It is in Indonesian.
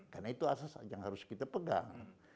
karena itu asas yang harus kita pegang